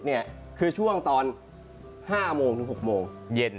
ห้าโมงถึงหกโมงเย็น